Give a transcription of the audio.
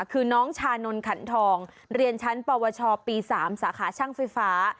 คือน้องชานนท์ขันทองเรียนชั้นปวชปี๓สาขาช่างไฟฟ้า